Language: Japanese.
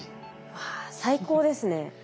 わ最高ですね。